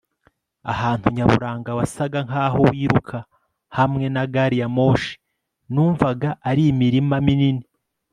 ahantu nyaburanga wasaga nkaho wiruka hamwe na gari ya moshi. numvaga ari imirima minini